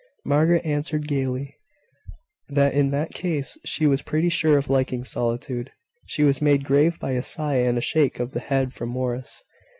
Margaret answered gaily, that in that case, she was pretty sure of liking solitude. She was made grave by a sigh and a shake of the head from Morris.